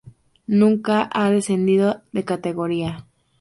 Nunca ha descendido de categoría.